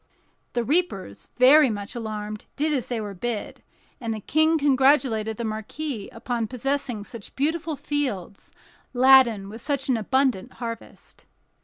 The reapers, very much alarmed, did as they were bid, and the King congratulated the marquis upon possessing such beautiful fields, laden with such an abundant harvest.